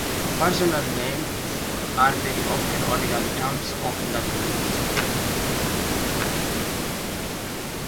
Personal names are very often ordinary terms of the language.